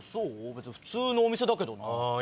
別に普通のお店だけどな。